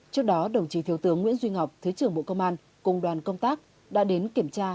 trước đó đồng chí thiếu tướng nguyễn duy ngọc thứ trưởng bộ công an cùng đoàn công tác đã đến kiểm tra